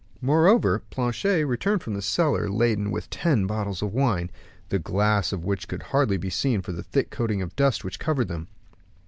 Moreover, Planchet returned from the cellar, laden with ten bottles of wine, the glass of which could hardly be seen for the thick coating of dust which covered them.